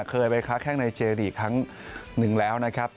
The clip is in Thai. เคยไปค้าแข้งในเจลีกครั้งหนึ่งแล้วนะครับ